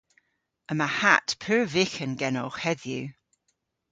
Yma hatt pur vyghan genowgh hedhyw!